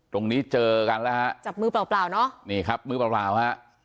ตรงนี้เจอกันแล้วฮะจับมือเปล่าเปล่าเนอะนี่ครับมือเปล่าเปล่าฮะ